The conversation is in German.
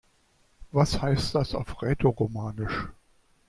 Was heißt das auf Rätoromanisch?